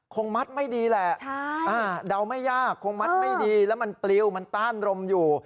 คงมัดไม่ดีแหละเดาไม่ยากคงมัดไม่ดีแล้วมันปลิวมันต้านรมอยู่